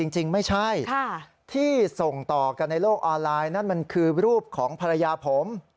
จริงไม่ใช่ที่ส่งต่อกันในโลกออนไลน์นั่นมันคือรูปของภรรยาผม